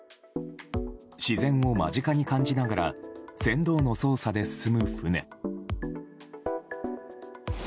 自然を間近に感じながら船頭の操作で進む船。